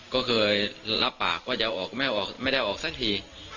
ก็เคยรับปากว่าจะออกไม่ออกไม่ได้ออกสักที